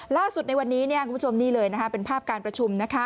ล่าสุดในวันนี้คุณผู้ชมนี่เลยเป็นภาพการประชุม